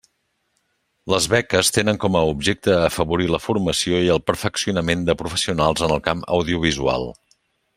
Les beques tenen com a objecte afavorir la formació i el perfeccionament de professionals en el camp audiovisual.